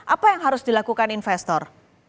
apa yang harus dilakukan investor